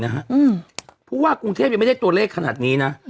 เพราะว่ากรุงเทพยังไม่ได้ตัวเลขขนาดนี้นะ